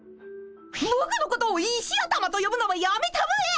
ぼくのことを石頭とよぶのはやめたまえ！